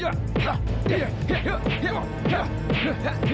terserah kita buat lagi